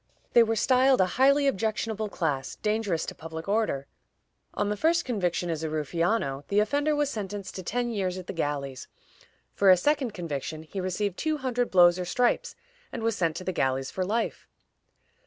They were styled a highly objectionable class, dangerous to public order. On the first conviction as a ruffiano, the offender was sentenced to ten years at the galleys; for a second conviction, he received two hundred blows or stripes, and was sent to the galleys for life.